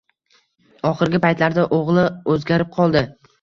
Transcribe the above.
Oxirgi paytlarda o`g`li o`zgarib qoldi